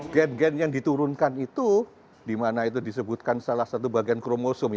gen gen yang diturunkan itu dimana itu disebutkan salah satu bagian kromosom